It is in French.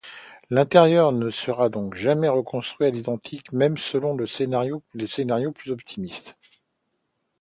L'intérieur ne sera donc jamais reconstruit à l'identique, même selon le scénario plus optimiste.